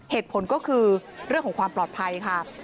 เหตุผลก็คือเรื่องของความปลอดภัยค่ะ